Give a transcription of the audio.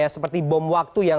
seperti bom waktu yang